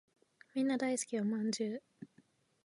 みんな大好きお饅頭